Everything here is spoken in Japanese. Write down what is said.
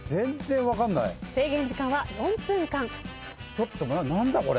ちょっと何だこれ！？